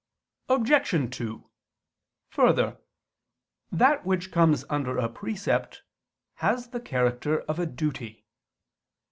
Obj. 2: Further, that which comes under a precept has the character of a duty.